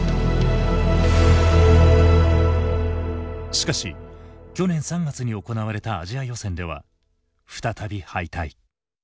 しかし去年３月に行われたアジア予選では再び敗退。